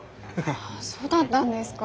ああそうだったんですか。